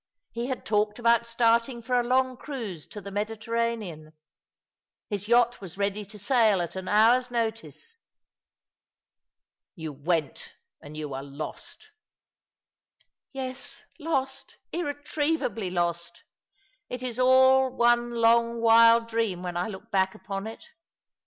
He had talked about starting for a long cruise to the Mediterranean. His yacht was ready to sail at an hours notice." " You went, and you were lost." "Yes, lost, irretrievably lost I It is all one long, wild dream when I look back upon it.